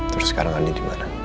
terus sekarang andi dimana